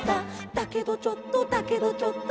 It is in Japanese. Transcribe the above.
「だけどちょっとだけどちょっと」